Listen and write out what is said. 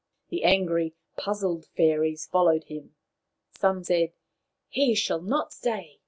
The angry, puzzled fairies followed him. Some said : "He shall not stay.